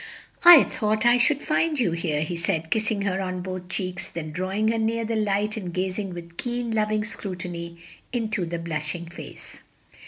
"I thought I should find you here," he said, kissing her on both cheeks, then drawing her near the light and gazing with keen, loving scrutiny into the blushing face.